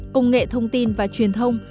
công nghệ thông tin và truyền thông